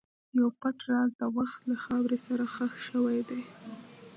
یو پټ راز د وخت له خاورې سره ښخ شوی دی.